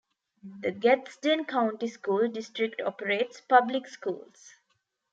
The Gadsden County School District operates public schools.